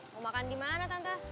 mau makan dimana tante